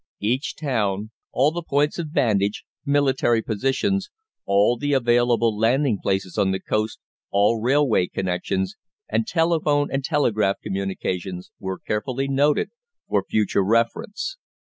Each town, all the points of vantage, military positions, all the available landing places on the coast, all railway connections, and telephone and telegraph communications, were carefully noted for future reference.